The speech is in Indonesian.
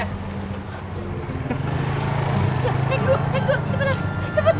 hei naik dulu